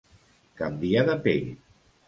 Canviar de pell.